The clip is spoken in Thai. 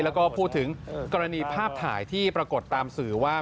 แล้วก็พูดถึงกรณีภาพถ่ายที่ปรากฏตามสื่อว่า